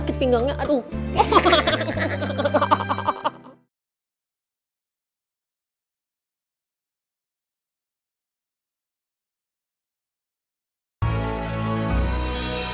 digenang juga oh oh oh